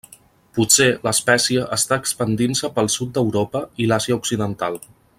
Potser l'espècie està expandint-se pel sud d'Europa i l'Àsia occidental.